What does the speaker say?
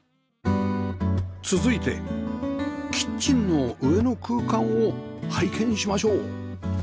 続いてキッチンの上の空間を拝見しましょう